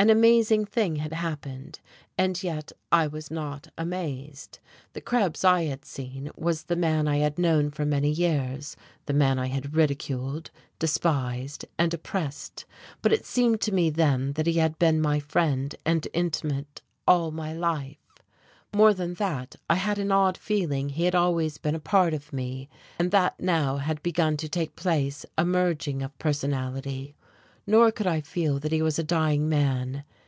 An amazing thing had happened and yet I was not amazed. The Krebs I had seen was the man I had known for many years, the man I had ridiculed, despised and oppressed, but it seemed to me then that he had been my friend and intimate all my life: more than that, I had an odd feeling he had always been a part of me, and that now had begun to take place a merging of personality. Nor could I feel that he was a dying man.